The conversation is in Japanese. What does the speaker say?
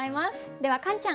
ではカンちゃん！